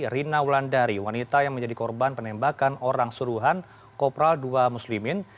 rina wulandari wanita yang menjadi korban penembakan orang suruhan kopral ii muslimin